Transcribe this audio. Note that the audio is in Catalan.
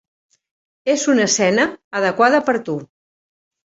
És una escena adequada per a tu.